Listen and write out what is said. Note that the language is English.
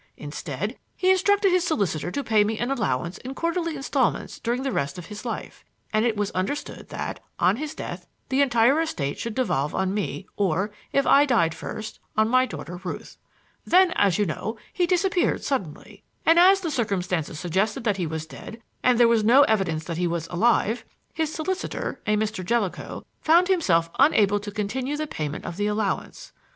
Instead, he instructed his solicitor to pay me an allowance in quarterly instalments during the rest of his life; and it was understood that, on his death, the entire estate should devolve on me, or if I died first, on my daughter, Ruth. Then, as you know, he disappeared suddenly, and as the circumstances suggested that he was dead, and there was no evidence that he was alive, his solicitor a Mr. Jellicoe found himself unable to continue the payment of the allowance.